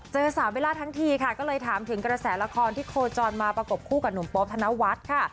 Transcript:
เจอสาวเบลล่าทั้งทีค่ะก็เลยถามถึงกระแสละครที่โคจรมาประกบคู่กับหนุ่มโป๊ธนวัฒน์ค่ะ